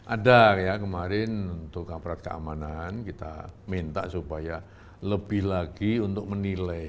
ada ya kemarin untuk aparat keamanan kita minta supaya lebih lagi untuk menilai